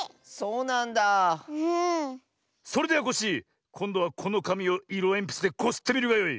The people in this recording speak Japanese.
それではコッシーこんどはこのかみをいろえんぴつでこすってみるがよい。